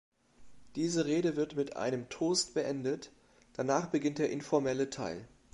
Diese Rede wird mit einem Toast beendet, danach beginnt der informelle Teil.